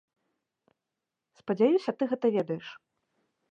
Спадзяюся, ты гэта ведаеш.